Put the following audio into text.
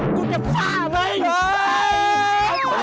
กูจะฝ้ามันเลย